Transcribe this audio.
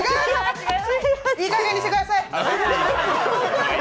いいかげんにしてください。